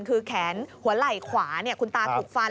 คือแขนหัวไหล่ขวาคุณตาถูกฟัน